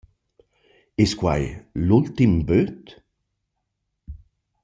Es quai l’ultim böt?